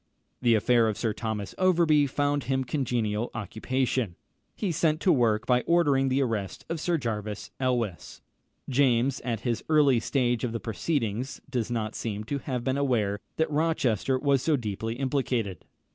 The affair of Sir Thomas Overbury found him congenial occupation. He set to work by ordering the arrest of Sir Jervis Elwes. James, at this early stage of the proceedings, does not seem to have been aware that Rochester was so deeply implicated.